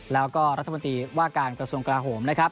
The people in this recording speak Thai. และรัฐพนตรีวาการกระทรวงกลาโหนโฮมนะครับ